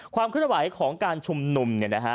ความขึ้นไหวของการชุมนุมนะฮะ